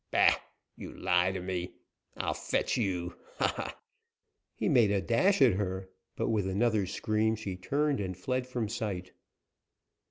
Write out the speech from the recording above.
"Bah! you lie to me. I'll fetch you ha! ha!" He made a dash at her, but with another scream she turned and fled from sight.